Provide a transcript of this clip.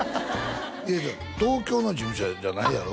いや東京の事務所じゃないやろ？